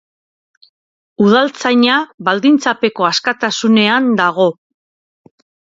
Udaltzaina baldintzapeko askatasunean dago.